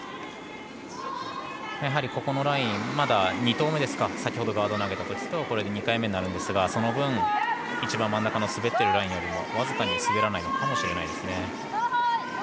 ここのラインまだ２投目先ほどガードを投げたときとこれで２回目になるんですがその分、一番真ん中の滑っているラインより僅かに滑らないかもしれないです。